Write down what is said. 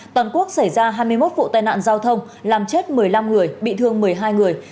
toàn quốc xảy ra hai mươi một vụ tai nạn giao thông làm chết một mươi năm người bị thương một mươi hai người